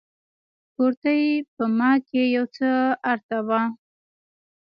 کورتۍ په ما کښې يو څه ارته وه.